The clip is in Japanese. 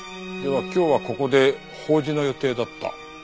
では今日はここで法事の予定だった？